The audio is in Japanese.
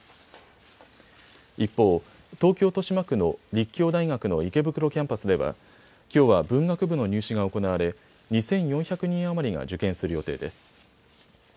一方、東京豊島区の立教大学の池袋キャンパスではきょうは文学部の入試が行われ２４００人余りが受験する予定です。